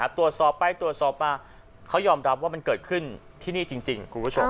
ตรวจสอบไปตรวจสอบมาเขายอมรับว่ามันเกิดขึ้นที่นี่จริงคุณผู้ชม